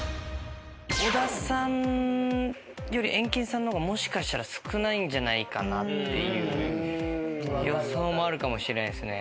小田さんよりエンケンさんの方がもしかしたら少ないんじゃないかなっていう予想もあるかもしれないですね。